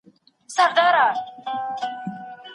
څلوریځي